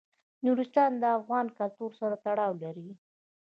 نورستان د افغان کلتور سره تړاو لري.